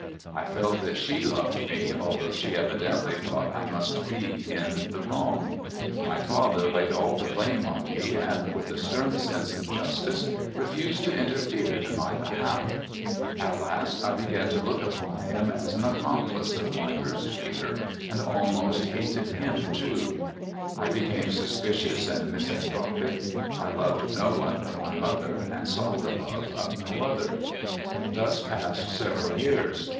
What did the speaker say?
I felt that she loved me, though she evi dently thought I must be in the Avrong. My father laid all the blame on me, and, with a stern sense of justice, refused to interfere in my behalf. At last I began to look upon him as the accomplice of my persecutor, and almost hated him too. I became suspicious and misanthropic. I loved no one but my mother, and sought the love of no other. Thus passed several years.